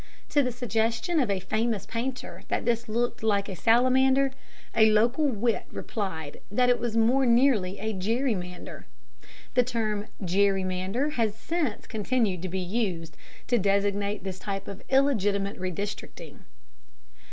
To the suggestion of a famous painter that this looked like a salamander, a local wit replied that it was more nearly a Gerrymander. The term "gerrymander" has since continued to be used to designate this type of illegitimate redistricting.